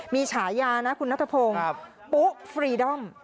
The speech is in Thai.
มีฉายานะคุณนัทพงศ์ปุ๊ฟรีดอม